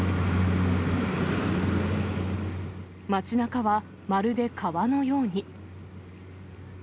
街なかはまるで川のように。